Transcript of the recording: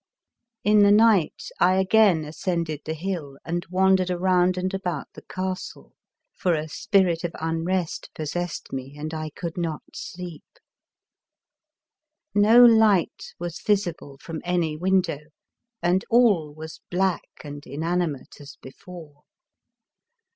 In the night I again ascended the hill and wan dered around and about the castle, for a spirit of unrest possessed me and I could not sleep. No light was visible from any window, and all was black and inanimate as before.